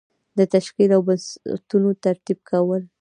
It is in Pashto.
د تشکیل او بستونو ترتیب کول.